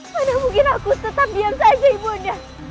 mana mungkin aku tetap diam saja ibu nya